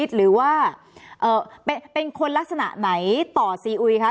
หรือว่าเป็นคนลักษณะไหนต่อซีอุยคะ